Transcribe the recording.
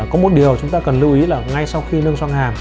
có một điều chúng ta cần lưu ý là ngay sau khi nâng sang hàm